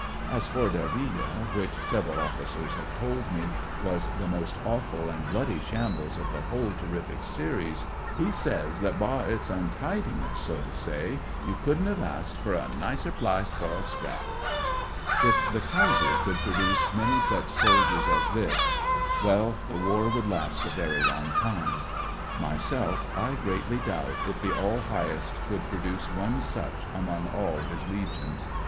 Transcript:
As for Delville, which several officers have told me was the most awful and bloody shambles of the 'hole terrific series, he says that bai :;«i untidiness, so to say, " you couldn't 've asked fer a nicer plice fer a scrap I " If the Kaiser could produce many such soldiers as this one — ^well, the war would 96 THE COCKNEY FIGHTER :k last a very long time. Myself, I greatly doubt if the AU Highest could produce one such among all his legions.